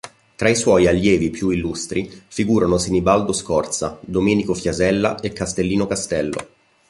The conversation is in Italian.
Tra i suoi allievi più illustri figurano Sinibaldo Scorza, Domenico Fiasella e Castellino Castello.